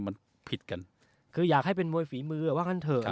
มันผิดกันคืออยากให้เป็นมวยฝีมือว่างั้นเถอะ